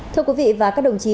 thưa quý vị và các đồng chí